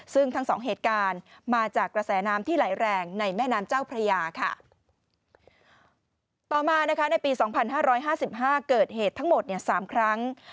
ซึ่งทั้ง๒เหตุการณ์มาจากกระแสน้ำที่ไหลแรงในแม่น้ำเจ้าพระยา